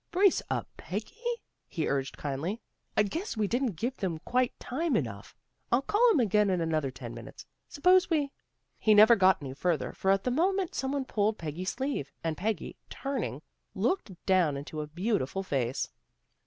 " Brace up, Peggy," he urged kindly. " I guess we didn't give them quite time enough. I'll call 'em up again in another ten minutes. Suppose we " He never got any further, for at the moment someone pulled Peggy's sleeve, and Peggy, turning, looked down into a beautiful face.